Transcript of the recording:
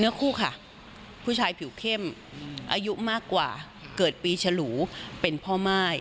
คู่ค่ะผู้ชายผิวเข้มอายุมากกว่าเกิดปีฉลูเป็นพ่อม่าย